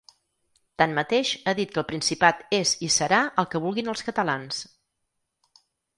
Tanmateix, ha dit que el Principat és i serà el que vulguin els catalans.